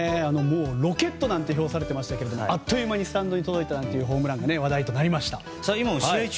ロケットなんて評されていましたがあっという間にスタンドへ届いたホームランが話題でした。